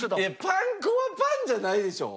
パン粉はパンじゃないでしょ。